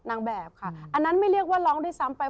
นางแบบค่ะอันนั้นไม่เรียกว่าร้องด้วยซ้ำไป